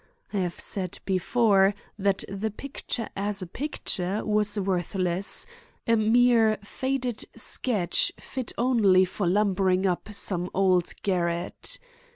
I have said before that the picture as a picture was worthless, a mere faded sketch fit only for lumbering up some old garret.